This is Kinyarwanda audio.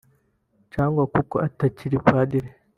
Cyangwa kuko atakiri padri